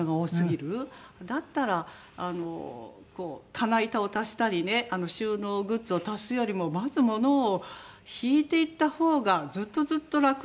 だったら棚板を足したりね収納グッズを足すよりもまず物を引いていった方がずっとずっと楽にね。